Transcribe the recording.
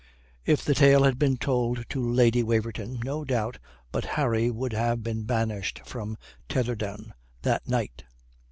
If the tale had been told to Lady Waverton, no doubt but Harry would have been banished from Tetherdown that night.